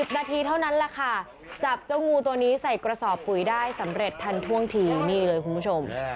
นาทีเท่านั้นแหละค่ะจับเจ้างูตัวนี้ใส่กระสอบปุ๋ยได้สำเร็จทันท่วงทีนี่เลยคุณผู้ชม